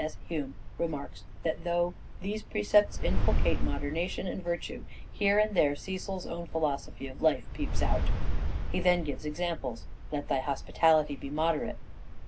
S. Hume) remarks that though " these precepts inculcate moderation and virtue, here and there Cecil's own philosophy of life peeps out." He then gives examples :" Let thy hospitality be moderate."